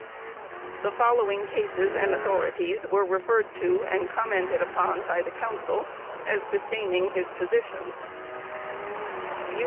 [The following cases and authorities were referred to and commented upon by the counsel, as sustaining his positions: _U.